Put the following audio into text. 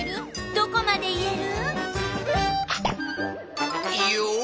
どこまでいえる？